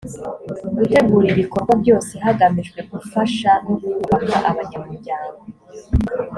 gutegura ibikorwa byose hagamijwe gufasha no kubaka abanyamuryango